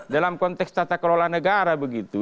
dalam konteks tata kelola negara begitu